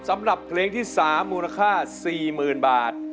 สำหรับเพลงที่๓มูลค่า๔๐๐๐บาท